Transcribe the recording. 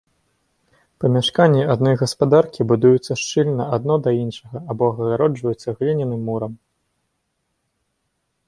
Памяшканні адной гаспадаркі будуюцца шчыльна адно да іншага або агароджваюцца гліняным мурам.